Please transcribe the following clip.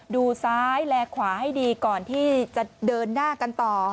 ดูซ้ายและขวาให้ดีก่อนที่จะเดินหน้ากันต่อ